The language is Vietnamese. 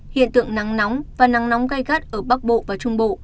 hiện tượng nắng nóng và nắng nóng gai gắt ở bắc bộ và trung bộ